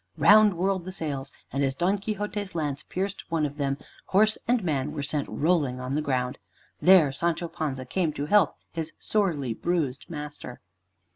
Round whirled the sails, and as Don Quixote's lance pierced one of them, horse and man were sent rolling on the ground. There Sancho Panza came to help his sorely bruised master.